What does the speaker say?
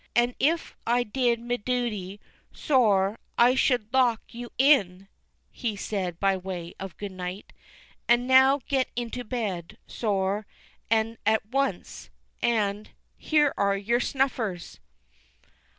"An' if I did me duty, sor, I should lock you in," he said by way of good night. "And now get into bed, sor, and at once; and here are your snuffers!"